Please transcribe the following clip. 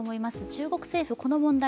中国政府、この問題